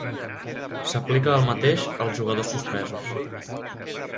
S'aplica el mateix als jugadors suspesos.